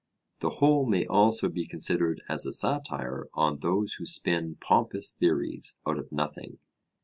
The whole may also be considered as a satire on those who spin pompous theories out of nothing.